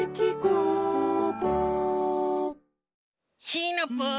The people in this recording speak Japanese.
シナプー！